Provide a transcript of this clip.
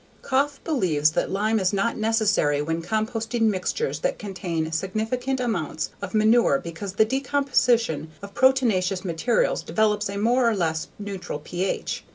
Koepf believes that lime is not necessary when composting mixtures that contain significant amounts of manure because the decomposition of proteinaceous materials develops a more or less neutral pH.